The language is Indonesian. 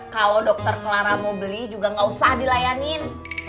kalau dokter clara mau beli juga nggak usah dilayanin